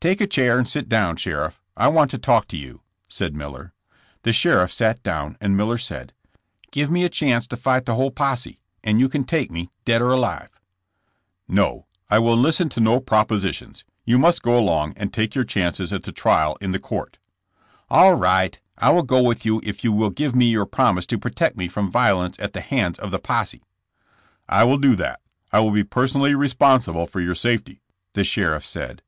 ''Take a chair and sit downf, sheriff, I want to talk to you," said Miller. 92 j]ass« jame;s. The sheriff sat down and Miller said: "Give me a chance to fight the whole posse, and and you can take me, dead or alive/' ''No; I will listen to no propositions. You must go along and take your chances at a trial in the court. '''' All right ; I will go with you if you will give me your promise to protect me from violence at the hands of the posse.'' "I will do that. I will be personally responsi ble for your safety." the sheriff said.